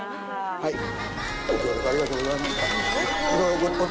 はい。